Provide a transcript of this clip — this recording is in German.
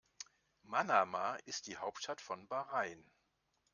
Manama ist die Hauptstadt von Bahrain.